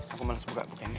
aku males buka bukannya